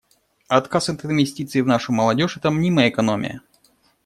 Отказ от инвестиций в нашу молодежь — это мнимая экономия.